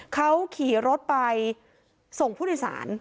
เขาขี่รถไปส่งผู้โดยสาร